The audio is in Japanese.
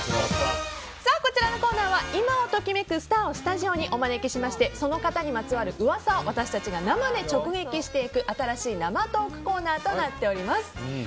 こちらのコーナーは今を時めくスターをスタジオにお招きしましてその方にまつわる噂を私たちが生で直撃していく新しい生トークコーナーとなっております。